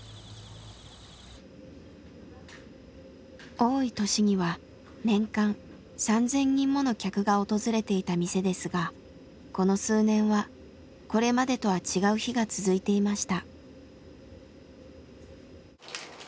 多い年には年間３，０００人もの客が訪れていた店ですがこの数年はこれまでとは違う日が続いていました。